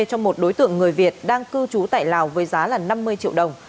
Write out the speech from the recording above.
cho một đối tượng người việt đang cư trú tại lào với giá là năm mươi triệu đồng